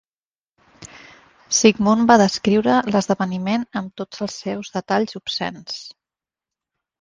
Sigmund va descriure l'esdeveniment amb tots els seus detalls obscens.